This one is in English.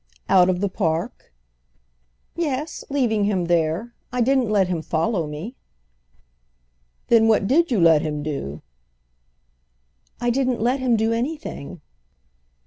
"Out of the Park?" "Yes, leaving him there. I didn't let him follow me." "Then what did you let him do?" "I didn't let him do anything."